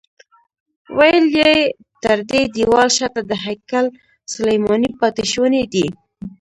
ویل یې تر دې دیوال شاته د هیکل سلیماني پاتې شوني دي.